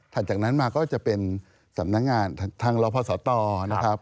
หลังจากนั้นมาก็จะเป็นสำนักงาน